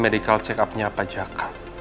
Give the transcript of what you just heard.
medical check upnya pak jaka